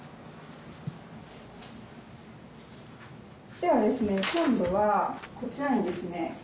ではですね今度はこちらにですね